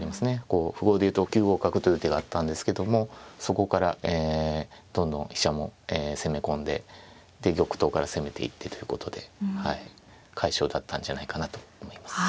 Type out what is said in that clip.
こう符号で言うと９五角という手があったんですけどもそこからえどんどん飛車も攻め込んでで玉頭から攻めていってということで快勝だったんじゃないかなと思います。